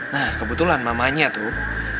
nah kebetulan mamanya tuh